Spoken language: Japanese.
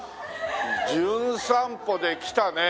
『じゅん散歩』で来たね